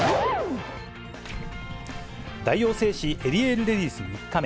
大王製紙エリエールレディス３日目。